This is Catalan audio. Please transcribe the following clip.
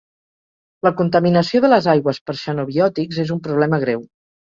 La contaminació de les aigües per xenobiòtics és un problema greu.